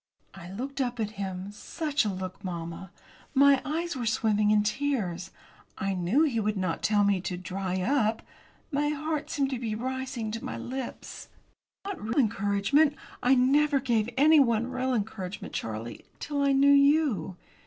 I looked up at him such a look, mamma! My eyes were swimming in tears. I knew he would not tell me to "dry up." My heart seemed to be rising to my lips. "Not real encouragement. I never gave anyone real encouragement, Charlie, till I knew you.